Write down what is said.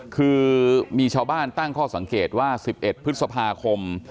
คือมีชาวบ้านตั้งข้อสังเกตว่า๑๑พฤษภาคม